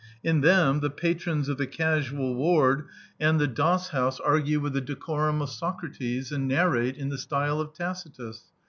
In them the patrons of the casual ward and the does [vii] D,i.,.db, Google Preface house argue with the decorum of Socrates, and nar rate in the style of Tacitus.